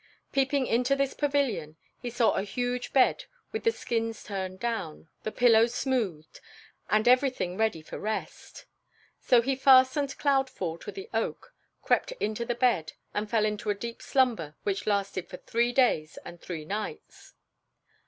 Peeping into this pavilion, he saw a huge bed with the skins turned down, the pillow smoothed, and everything ready for rest. So he fastened Cloudfall to the oak, crept into the bed, and fell into a deep slumber which lasted for three days and three nights.